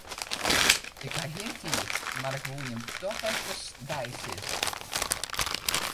Ik haw gjin tiid, mar 'k woe jimme doch efkes deisizze.